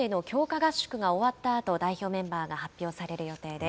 合宿が終わったあと代表メンバーが発表される予定です。